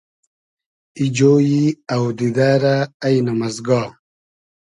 ای جۉیی اۆدیدۂ رۂ اݷنئم از گا